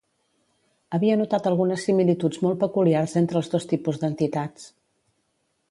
Havia notat algunes similituds molt peculiars entre els dos tipus d'entitats.